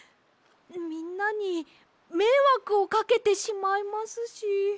みんなにめいわくをかけてしまいますし。